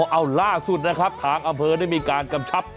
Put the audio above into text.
เอาล่าสุดนะครับทางอำเภอได้มีการกำชับ